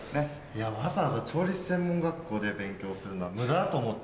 わざわざ調理師専門学校で勉強するのは無駄だと思って。